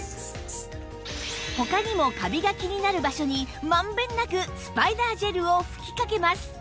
他にもカビが気になる場所に満遍なくスパイダージェルを吹きかけます